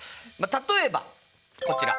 例えばこちら。